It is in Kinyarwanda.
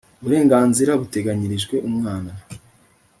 Uburenganzira buteganyirijwe umwana